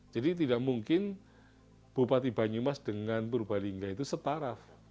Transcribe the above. jadi tidak mungkin bupati banjumas dengan purbalingga itu setaraf